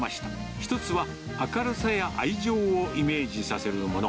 １つは明るさや愛情をイメージさせるもの。